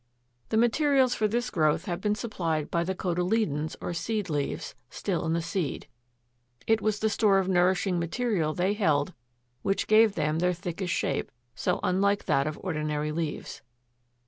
The materials for this growth have been supplied by the cotyledons or seed leaves, still in the seed: it was the store of nourishing material they held which gave them their thickish shape, so unlike that of ordinary leaves.